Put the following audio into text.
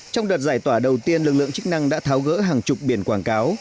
trong đợt giải tỏa đầu tiên lực lượng chức năng đã tháo gỡ hàng chục biển quảng cáo